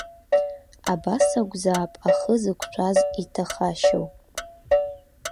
Абас акәзаап ахы зықәшәаз иҭахашьоу.